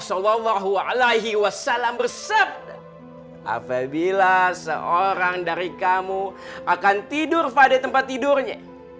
shallallahu alaihi wasallam bersabda apabila seorang dari kamu akan tidur pada tempat tidurnya